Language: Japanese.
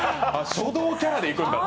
書道キャラでいくんだって。